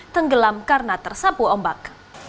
tenggelam karena tersapu ombak